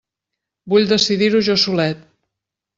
Vull decidir-ho jo solet!